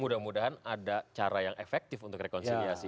mudah mudahan ada cara yang efektif untuk rekonsiliasi